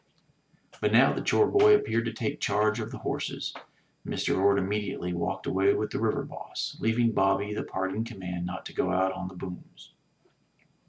But now the chore boy appeared to take charge of the horses. Mr. Orde immediately walked away with the River Boss, leaving Bobby the parting command not to go out on the booms.